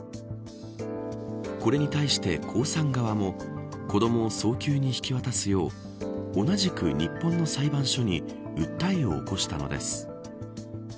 これに対して江さん側も子どもを早急に引き渡すよう同じく日本の裁判所に訴えを起こしたのです。